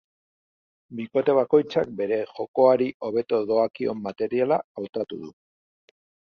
Bikote bakoitzak bere jokoari hobeto doakion materiala hautatu du.